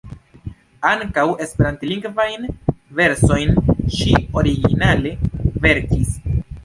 Ankaŭ esperantlingvajn versojn ŝi originale verkis.